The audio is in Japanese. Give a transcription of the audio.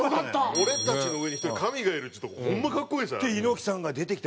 「俺たちの上に１人神がいる」ってとこホンマ格好いいですよあれ。